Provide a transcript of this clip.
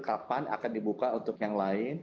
kapan akan dibuka untuk yang lain